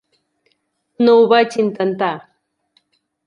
No ho vaig intentar.